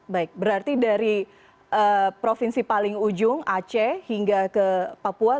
baik berarti dari provinsi paling ujung aceh hingga ke papua